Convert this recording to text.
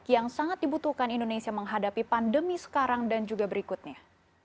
yang sangat dibutuhkan indonesia menghadapi pandemi sekarang dan juga berikutnya